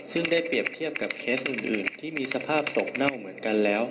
ซึ่งได้เปรียบเทียบกับเคสอื่นที่มีสภาพตกเน่าเหมือนกันแล้ว